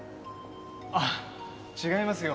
ああ違いますよ。